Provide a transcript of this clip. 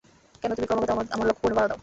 কেন তুমি ক্রমাগত আমার লক্ষ্য পূরণে বাধা দাও?